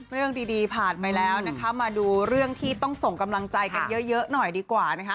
เรื่องดีผ่านไปแล้วนะคะมาดูเรื่องที่ต้องส่งกำลังใจกันเยอะหน่อยดีกว่านะคะ